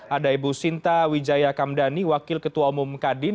ada ibu sinta wijaya kamdani wakil ketua umum kadin